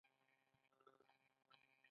تاسې به پر دې ځواک د کتاب په پيل کې برلاسي شئ.